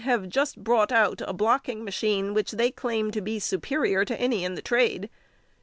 have just brought out a blocking machine, which they claim to be superior to any in the trade.